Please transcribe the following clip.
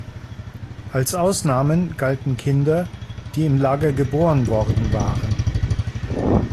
Als Ausnahmen galten Kinder, die im Lager geboren worden waren.